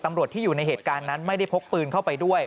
ตำรวจที่อยู่ในเหตุการณ์นั้นไม่ได้พกปืนเข้าไปด้วย